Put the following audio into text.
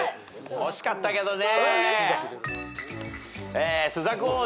惜しかったけどね。